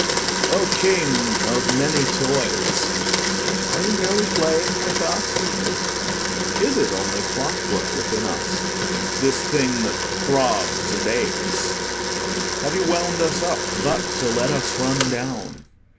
Oh, King of many toys, are you merely playing with us? Is it only clockwork within us, this thing that throbs and aches? Have you wound us up but to let us run down?